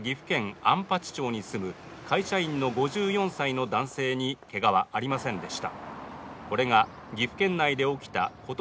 安八町に住む会社員の５４歳の男性にけがはありませんでした